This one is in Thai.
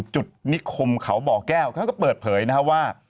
นิคมเขาบ่อแก้วเขาก็เปิดเผยนะครับว่า